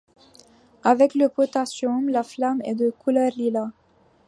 Avec le potassium, la flamme est de couleur lilas.